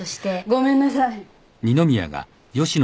ごめんなさい。